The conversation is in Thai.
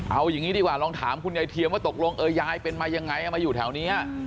เอาอย่างนี้ดีกว่าลองถามคุณยายเทียมว่าตกลงเออยายเป็นมายังไงมาอยู่แถวนี้